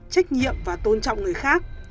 trách nhiệm và tôn trọng người khác